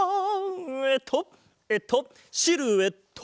えっとえっとシルエット！